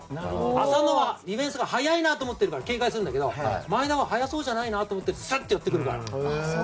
浅野はディフェンスが速いなと思ってから警戒するんですけど前田は速そうじゃないなと思ってたらスッと寄ってくるから。